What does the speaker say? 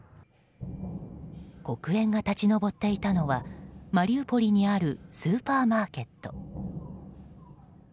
黒煙が立ち上っていたのはマリウポリにあるスーパーマーケット。